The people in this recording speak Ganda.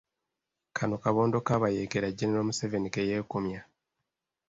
Kano kabondo k'abayeekera General Museveni ke yeekomya.